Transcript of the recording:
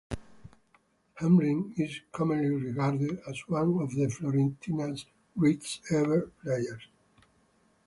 Hamrin is commonly regarded as one of Fiorentina's greatest ever players.